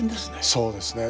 そうですね。